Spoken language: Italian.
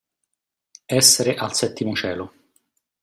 Essere al settimo cielo.